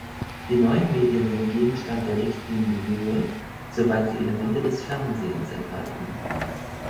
Die neuen Medien sind Gegenstand der Richtlinie nur, soweit sie Elemente des Fernsehens enthalten.